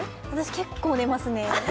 私、結構寝ますね。